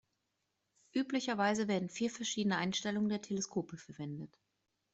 Üblicherweise werden vier verschiedene Einstellungen der Teleskope verwendet.